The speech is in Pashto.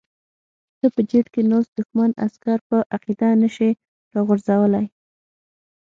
ته په جیټ کې ناست دښمن عسکر په عقیده نشې راغورځولی.